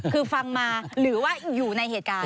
คือฟังมาหรือว่าอยู่ในเหตุการณ์